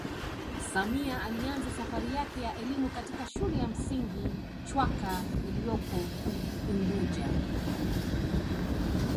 Samia alianza safari yake ya elimu katika shule ya msingi chwaka iloyopo unguja